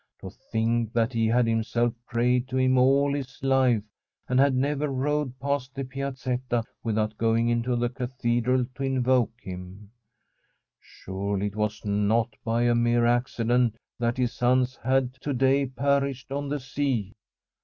To think that he had himself prayed to him all his life, and had never rowed past the Piazetta without going into the cathedral to invoke him I Surely it was not by a mere accident that his sons had to day perished on the sea!